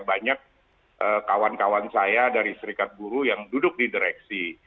banyak kawan kawan saya dari serikat buruh yang duduk di direksi